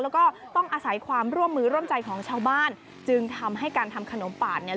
แล้วก็ต้องอาศัยความร่วมมือร่วมใจของชาวบ้านจึงทำให้การทำขนมปาดเนี่ย